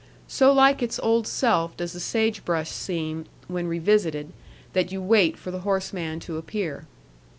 So like its old self does the sage brush seem when revisited, that you wait for the horseman to appear.